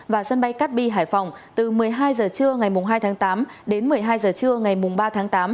và sân bay cát bi hải phòng từ một mươi hai h trưa ngày hai tháng tám đến một mươi hai h trưa ngày ba tháng tám